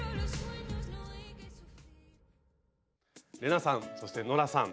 玲奈さんそしてノラさん